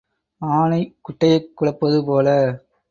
ஆனை குட்டையைக் குழப்புவது போல.